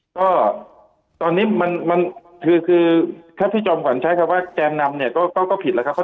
ก็ตอนนี้คือค่าที่จวำก่อนใช้คำว่าแกนนำเนี่ยก็ผิดแล้วนะครับ